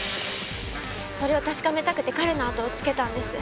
それを確かめたくて彼のあとをつけたんです。